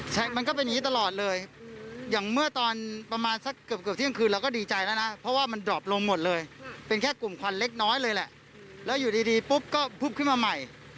ใช่มันก็เป็นอย่างนี้ตลอดเลยอย่างเมื่อตอนประมาณสักเกือบเที่ยงคืนเราก็ดีใจแล้วนะเพราะว่ามันดรอบลงหมดเลยเป็นแค่กลุ่มควันเล็กน้อยเลยแหละแล้วอยู่ดีปุ๊บก็พุบขึ้นมาใหม่